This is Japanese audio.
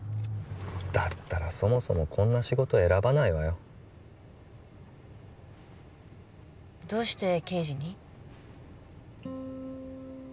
だったらそもそもこんな仕事選ばないわよどうして刑事に？